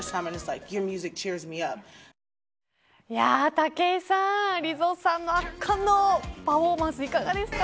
武井さん、ＬＩＺＺＯさんの圧巻のパフォーマンスいかがですか。